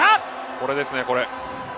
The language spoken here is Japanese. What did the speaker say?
これですね、これ。